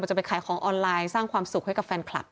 จะไปขายของออนไลน์สร้างความสุขให้กับแฟนคลับ